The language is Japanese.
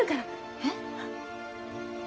えっ？